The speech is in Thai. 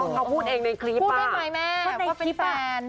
เขาพูดเองในคลิปป่ะพูดได้ไหมแม่ว่าเป็นแฟนก็ได้